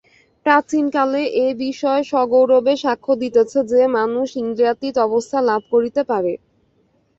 প্রাচীনকাল এ বিষয়ে সগৌরবে সাক্ষ্য দিতেছে যে, মানুষ ইন্দ্রিয়াতীত অবস্থা লাভ করিতে পারে।